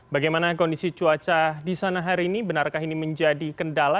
bagaimana kondisi cuaca di sana hari ini benarkah ini menjadi kendala